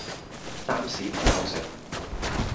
擔屎唔偷食